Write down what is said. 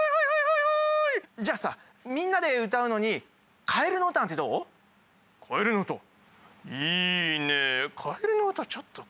じゃあさみんなで歌うのにかえるのうたなんてどう？